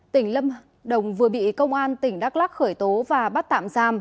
tỉnh lâm đồng vừa bị công an tỉnh đắk lắc khởi tố và bắt tạm giam